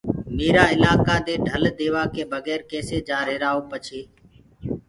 ميرآ الآڪآ دي ڍل ديوآڪي بگير ڪيسي جآهيرآئو پڇي